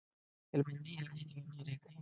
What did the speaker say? هلمندي حاجي ته ورنارې کړې.